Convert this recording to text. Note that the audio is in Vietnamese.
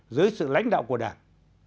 dưới sự lãnh đạo của đảng